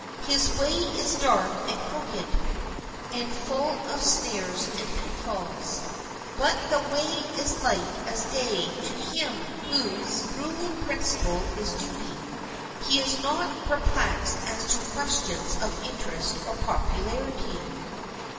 His way is dark and crooked, and full of snares and pitfalls. But the way is light as day to him whose ruling principle is duty. He is not perplexed as to questions of interest or popularity.